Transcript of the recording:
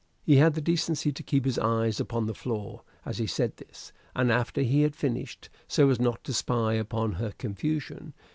He had the decency to keep his eyes upon the floor as he said this, and after he had finished, so as not to spy upon her confusion.